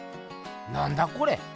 なんだこれ？